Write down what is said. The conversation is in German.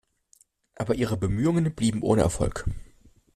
Aber ihre Bemühungen blieben ohne Erfolg.